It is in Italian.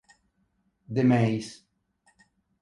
De Meis